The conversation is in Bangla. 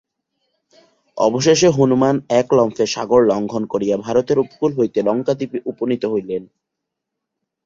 অবশেষে হনুমান এক লম্ফে সাগর লঙ্ঘন করিয়া ভারতের উপকূল হইতে লঙ্কাদ্বীপে উপনীত হইলেন।